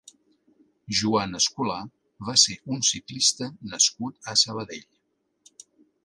Joan Escolà va ser un ciclista nascut a Sabadell.